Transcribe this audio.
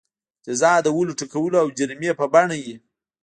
جزا د وهلو ټکولو او جریمې په بڼه وي.